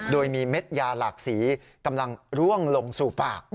โดยมีเม็ดยาหลากสีกำลังร่วงลงสู่ปาก